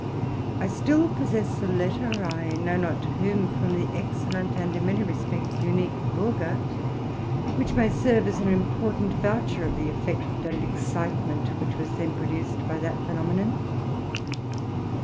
TI still possess a letter — I know not to whom — from the excellent, and, in many respects, unique, Burger, which may serve as an important voucher of the effect and excite ment which was then produced by that phenomenon.